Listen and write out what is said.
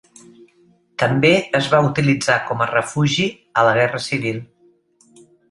També es va utilitzar com a refugi a la Guerra Civil.